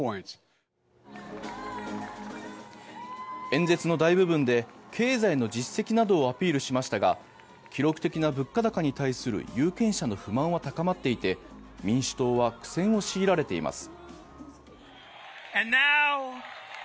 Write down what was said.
演説の大部分で経済の実績などをアピールしましたが記録的な物価高に対する有権者の不満は高まっていて民主党は苦戦を強いられています。